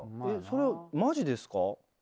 えっそれはマジですか？